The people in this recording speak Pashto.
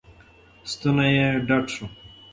ستونی یې ډډ شو.